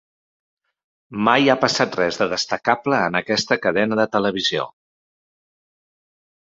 Mai ha passat res de destacable en aquesta cadena de televisió.